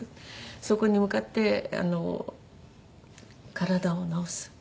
そこに向かって体を治す。